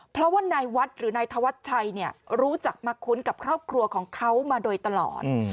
เพราะว่านายวัดหรือนายธวัชชัยรู้จักมาคุ้นกับครอบครัวของเขามาโดยตลอด